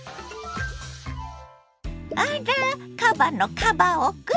あらカバのカバ男くん。